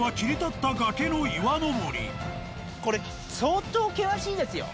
これ、相当険しいですよ。